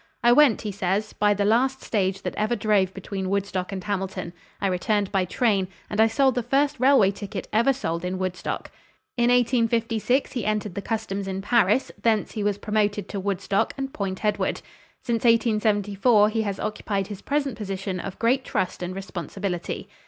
"I went," he says, "by the last stage that ever drove between Woodstock and Hamilton; I returned by train, and I sold the first railway ticket ever sold in Woodstock." In 1856 he entered the customs in Paris, thence he was promoted to Woodstock and Point Edward. Since 1874 he has occupied his present position of great trust and responsibility.